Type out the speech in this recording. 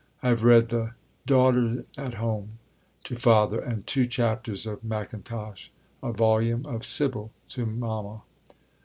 I have read the Daughter at Home to Father and two chapters of Mackintosh; a volume of Sybil to Mama.